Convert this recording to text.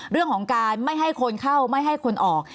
เรื่องของการไม่ให้คนเข้าไม่ให้คนออก